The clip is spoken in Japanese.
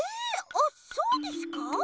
あっそうですか？